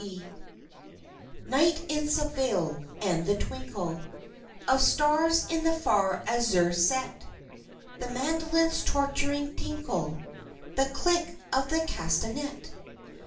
Carmen Night in Seville, and the twinkle Of stars in the far azure set, The mandolin's torturing tinkle, The click of the castanet!